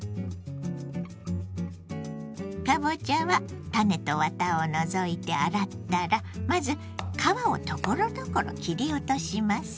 かぼちゃは種とワタを除いて洗ったらまず皮をところどころ切り落とします。